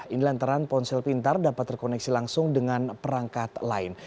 ini lantaran ponsel pintar dapat terkoneksi langsung dengan perangkat lain